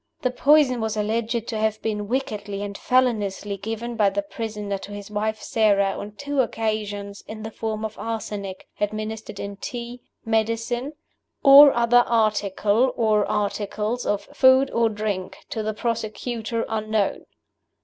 The poison was alleged to have been wickedly and feloniously given by the prisoner to his wife Sara, on two occasions, in the form of arsenic, administered in tea, medicine, "or other article or articles of food or drink, to the prosecutor unknown."